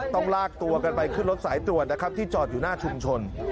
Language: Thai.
ต้องลากตัวกันไปขึ้นรถสายตรวจนะครับที่จอดอยู่หน้าชุมชน